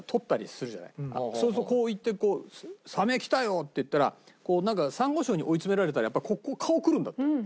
そうするとこういってこうサメ来たよっていったらサンゴ礁に追い詰められたらやっぱここ顔来るんだって。